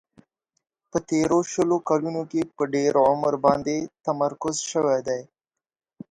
په تیرو شلو کلونو کې په ډېر عمر باندې تمرکز شوی دی.